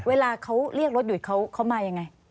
เวลาเขาเรียกรถหยุดเขามายังไง